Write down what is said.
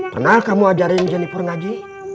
pernah kamu ajarin jennifer ngaji